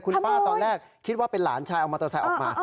คุณป้าตอนแรกคิดว่าเป็นหลานชายเอามอเตอร์ไซค์ออกมา